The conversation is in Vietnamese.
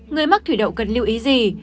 người mắc thủy đậu cần lưu ý gì